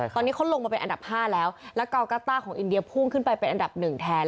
ตอนนี้เขาลงมาเป็นอันดับ๕แล้วแล้วเกากาต้าของอินเดียพุ่งขึ้นไปเป็นอันดับหนึ่งแทน